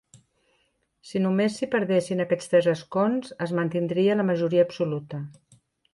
Si només s’hi perdessin aquests tres escons, es mantindria la majoria absoluta.